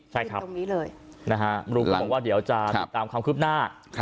ไปตรงนี้เลยนะครับดูรูปบอกว่าจะติดตามความคลึกหน้า